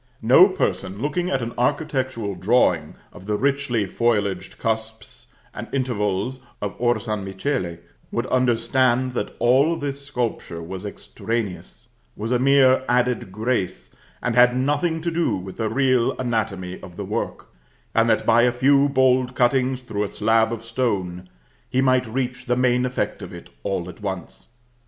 No person, looking at an architectural drawing of the richly foliaged cusps and intervals of Or San Michele, would understand that all this sculpture was extraneous, was a mere added grace, and had nothing to do with the real anatomy of the work, and that by a few bold cuttings through a slab of stone he might reach the main effect of it all at once.